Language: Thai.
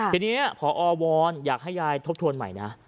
ทีนี้พอวอนอยากให้ยายทบทวนใหม่นะ